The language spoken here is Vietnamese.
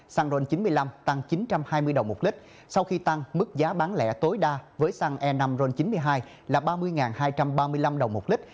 xăng ron chín mươi năm tăng chín trăm hai mươi đồng một lít sau khi tăng mức giá bán lẻ tối đa với xăng e năm ron chín mươi hai là ba mươi hai trăm ba mươi năm đồng một lít